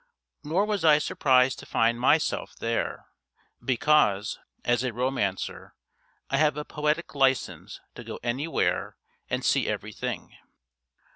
Nor was I surprised to find myself there, because, as a romancer, I have a poetic license to go anywhere and see everything.